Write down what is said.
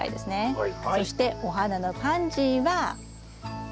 はい。